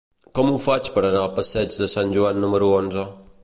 Com ho faig per anar al passeig de Sant Joan número onze?